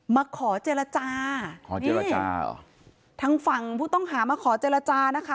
มาขอเจรจาขอเจรจาเหรอทางฝั่งผู้ต้องหามาขอเจรจานะคะ